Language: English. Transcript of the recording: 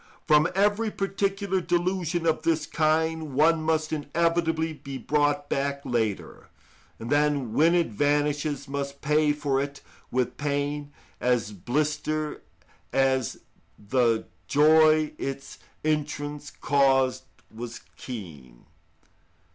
From every particular delusion of this kind one must inevitably be brought back later, and then when it vanishes must pay for it with pain as bitter as the joy its entrance caused was keen.